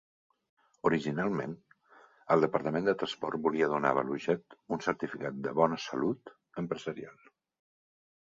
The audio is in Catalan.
Originalment, el Departament de Transport volia donar a ValuJet un certificat de "bona salut" empresarial.